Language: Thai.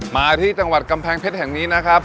มาที่จังหวัดกำแพงเพชรแห่งนี้นะครับ